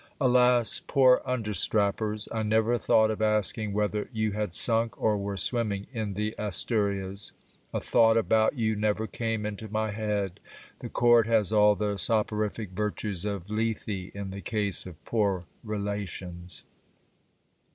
Alas ! poor understrappers, I never thought of asking whether you had sunk or were swimming in the Asturias. A thought about you never came into my head. The court has all the soporific virtues of Lethe, in the case of poor relations.